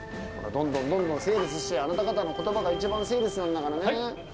どんどんどんどんセールスして、あなた方のことばが一番セールスなんだからね。